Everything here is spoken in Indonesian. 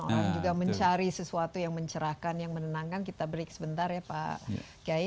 orang juga mencari sesuatu yang mencerahkan yang menenangkan kita break sebentar ya pak kiai